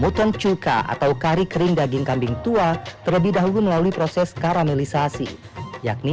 mutung cuka atau kari kering daging kambing tua terlebih dahulu melalui proses karamelisasi yakni